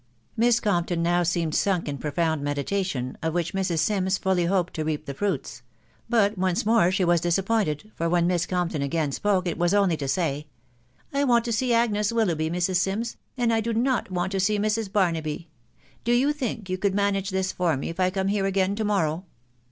*" Miss Compton now seemed sunk in profound meditation, of which Mrs. Sims fully hoped to reap the fruits ; but once more she was disappointed, for when Miss Compton again spoke, it was only to say, —'/ want to see Agnes Willoughby, Mi*. Sim*, ti& V to* tf THE WIDOW BARNABT. 85 not want to see Mrs. Barnaby. ' Do you think you could manage this for me, if I come here again to morrow